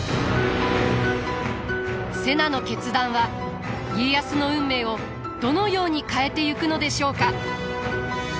瀬名の決断は家康の運命をどのように変えてゆくのでしょうか？